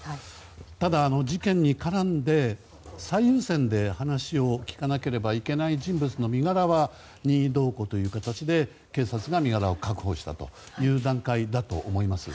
ただ、事件に絡んで最優先で話を聞かなければいけない人物の身柄は任意同行という形で警察が身柄を確保した段階だと思います。